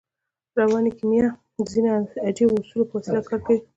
رواني کیمیا د ځينو عجیبو اصولو په وسیله کار کوي